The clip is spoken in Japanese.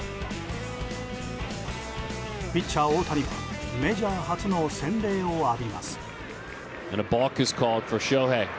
ピッチャー大谷はメジャー初の洗礼を浴びます。